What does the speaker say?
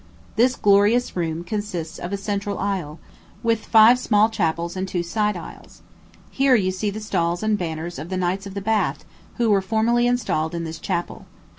This glorious room consists of a central aisle, with five small chapels and two side aisles. Here you see the stalls and banners of the Knights of the Bath, who were formerly installed in this chapel.